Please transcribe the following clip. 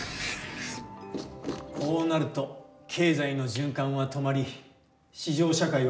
こうなると経済の循環は止まり市場社会は崩壊してしまう。